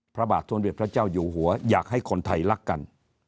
พระบาทสมเด็จพระเจ้าอยู่หัวอยากให้คนไทยรักกัน